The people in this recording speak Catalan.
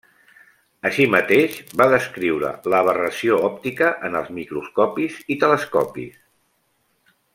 Així mateix, va descriure l'aberració òptica en els microscopis i telescopis.